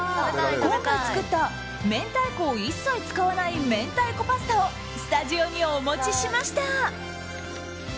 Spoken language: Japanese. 今回作った明太子を一切使わない明太子パスタをスタジオにお持ちしました。